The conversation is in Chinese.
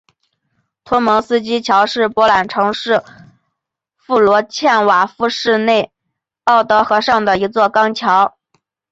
图蒙斯基桥是波兰城市弗罗茨瓦夫市内奥德河上的一座钢桥。